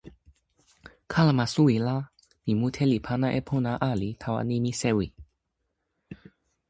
kalama suwi la, mi mute li pana e pona ali tawa nimi sewi.